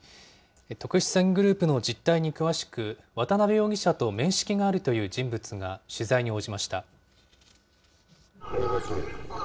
特殊詐欺グループの実態に詳しく、渡邉容疑者と面識があるという人物が取材に応じました。